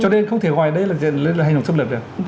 cho nên không thể gọi đấy là hành động xâm lược được